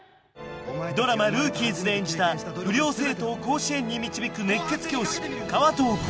ドラマ「ＲＯＯＫＩＥＳ」で演じた不良生徒を甲子園に導く熱血教師川藤幸